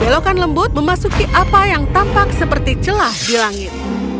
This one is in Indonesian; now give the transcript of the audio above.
belokan lembut memasuki apa yang tampak seperti celah di langit